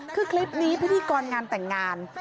คือคลิปนี้พิธีกรงานแต่งงาน